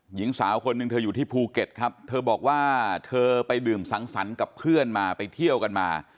หญิงสาวคนหนึ่งเธออยู่ที่ภูเก็ตครับเธอบอกว่าเธอไปดื่มสังสรรค์กับเพื่อนมาไปเที่ยวกันมา